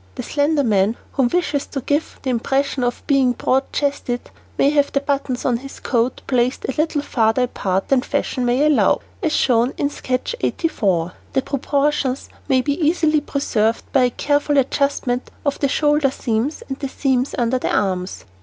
The slender man who wishes to give the impression of being broad chested may have the buttons on his coat placed a little farther apart than fashion may allow, as shown in sketch 84. The proportions may be easily preserved by a careful adjustment of the shoulder seams and the seams under the arms. [Illustration: NO. 83] [Illustration: NO. 84] [Illustration: NO.